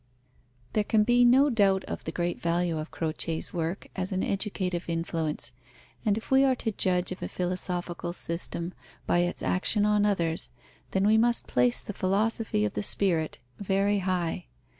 There can be no doubt of the great value of Croce's work as an educative influence, and if we are to judge of a philosophical system by its action on others, then we must place the Philosophy of the Spirit very high.